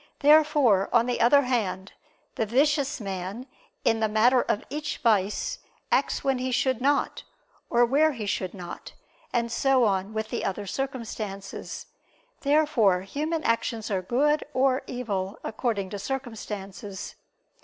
Therefore, on the other hand, the vicious man, in the matter of each vice, acts when he should not, or where he should not, and so on with the other circumstances. Therefore human actions are good or evil according to circumstances.